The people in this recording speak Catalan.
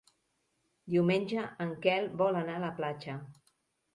Diumenge en Quel vol anar a la platja.